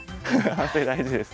反省大事ですね。